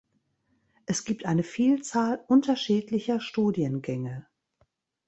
Es gibt eine Vielzahl unterschiedlicher Studiengänge.